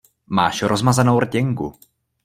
Máš rozmazanou rtěnku.